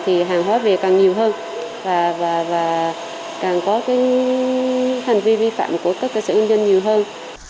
thì hàng hóa vi phạm càng nhiều hơn và càng có hành vi vi phạm của các cơ sở nhân dân nhiều hơn